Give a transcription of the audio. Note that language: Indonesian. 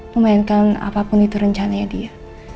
memainkan apapun itu rencananya dia